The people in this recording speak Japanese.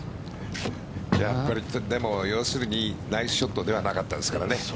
でも要するにナイスショットではなかったですからね。